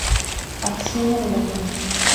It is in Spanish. Axioma de la unión.